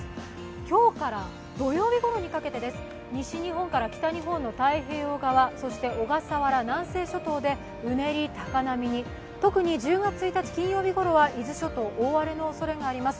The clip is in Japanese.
今日から土曜日頃にかけて、西日本から北日本の太平洋側そして小笠原・南西諸島でうねり、高波に、特に１０月１日金曜日ごろは伊豆諸島、大荒れのおそれがあります。